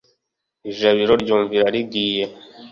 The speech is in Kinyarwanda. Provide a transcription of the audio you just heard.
ijabiro ry'imvura rigiye